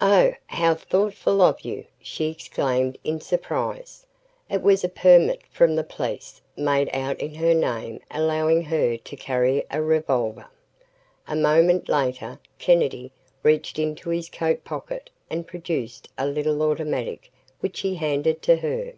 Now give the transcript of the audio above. "Oh, how thoughtful of you!" she exclaimed in surprise. It was a permit from the police made out in her name allowing her to carry a revolver. A moment later, Kennedy reached into his coat pocket and produced a little automatic which he handed to her.